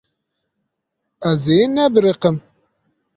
Ez ê nebiriqim.